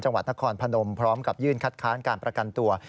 จังหวัดนครพนมพร้อมกับยื่นคัดค้านการประกันตัว